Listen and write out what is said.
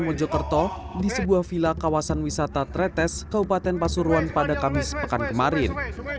mojokerto di sebuah villa kawasan wisata tretes kaupaten pasuruan pada kamis sepakan kemarin